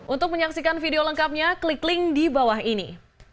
untuk menyaksikan video lengkapnya klik link di bawah ini